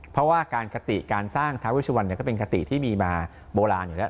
เพราะว่าการคติการสร้างท้าเวชวันก็เป็นคติที่มีมาโบราณอยู่แล้ว